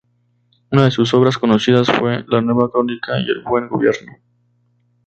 Una de sus Obras conocidas fue "La Nueva Crónica y el Buen Gobierno".